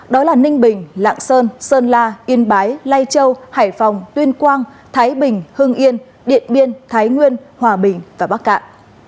đó là ninh bình lạng sơn sơn la yên bái lai châu hải phòng tuyên quang thái bình hưng yên điện biên thái nguyên hòa bình và bắc cạn